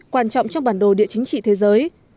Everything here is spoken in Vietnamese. quan trọng trong bản đồ địa chính trị thế giới